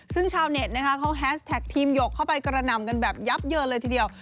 ซึ่งชาวเน็ตนะคะเขาแฮสแท็กทีมหยกเข้าไปกระหน่ำกันแบบยับเยินเลยทีเดียว